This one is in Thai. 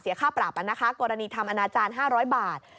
ค่าปรับนะคะกรณีทำอนาจารย์๕๐๐บาท